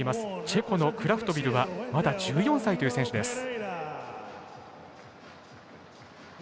チェコのクラトフビルはまだ１４歳という選手です。